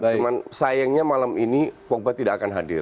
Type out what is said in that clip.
cuma sayangnya malam ini pogba tidak akan hadir